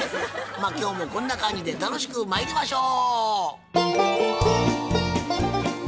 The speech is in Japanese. まあ今日もこんな感じで楽しくまいりましょう！